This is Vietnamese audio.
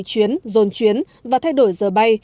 chuyến dồn chuyến và thay đổi giờ bay